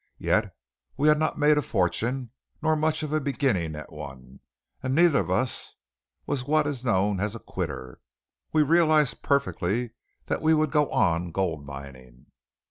Yet we had not made a fortune, nor much of a beginning at one, and neither of us was what is known as a quitter. We realized perfectly that we would go on gold mining.